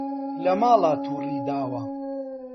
لە ماڵا توڕی داوە